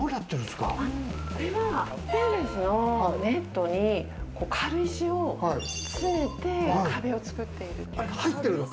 ステンレスのネットに軽石を詰めて壁を作っている。